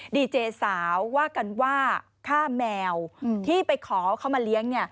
ดีเจสาวว่ากันว่าฆ่าแมวที่ไปขอเขามาเลี้ยง